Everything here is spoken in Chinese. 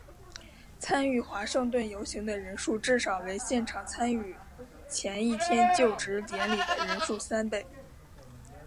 参与华盛顿游行的人数至少为现场参与前一天就职典礼的人数三倍。